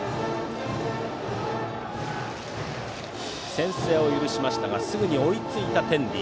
先制を許しましたがすぐに追いついた天理。